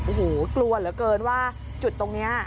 โอ้โหกลัวเหลือเกินว่าจุดตรงนี้